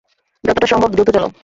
যতটা সম্ভব দ্রুত চালাও।